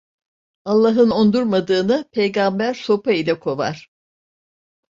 Allah'ın ondurmadığını; Peygamber sopa ile kovar.